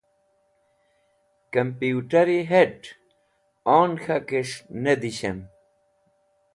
Kampuwtẽri het̃/ on k̃hakẽs̃h ne dishẽm.